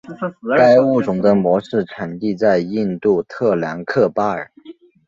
该物种的模式产地在印度特兰克巴尔。